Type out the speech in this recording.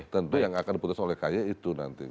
tentu yang akan diputus oleh kay itu nanti